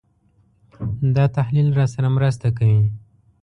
دا تحلیل راسره مرسته کوي.